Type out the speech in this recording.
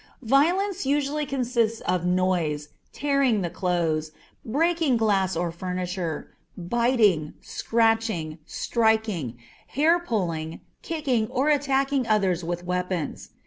Violence usually consists of noise, tearing the clothing, breaking glass or furniture, biting, scratching, striking, hair pulling, kicking, or attacking others with weapons.